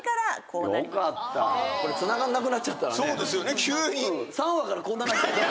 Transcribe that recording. これつながんなくなっちゃったらね。